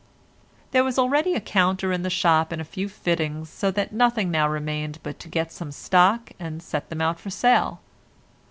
There was already a counter in the shop and a few fittings, so that nothing now remained but to get some stock and set them out for sale.